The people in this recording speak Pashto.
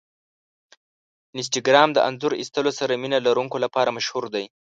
انسټاګرام د انځور ایستلو سره مینه لرونکو لپاره مشهور دی.